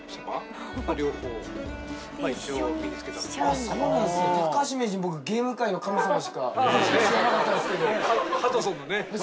あっそうなんですね高橋名人僕ゲーム界の神様しか知らなかったんですけど。